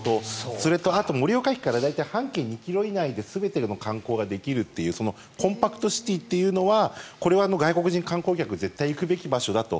それと、盛岡駅から大体半径２ｋｍ以内で全ての観光ができるっていうそのコンパクトシティーというのはこれは外国人観光客が絶対行くべき場所だと。